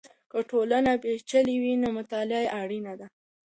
که ټولنه پېچلې وي نو مطالعه یې اړینه ده.